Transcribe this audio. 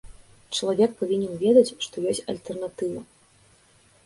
Чалавек павінен ведаць, што ёсць альтэрнатыва.